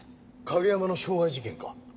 景山の傷害事件か？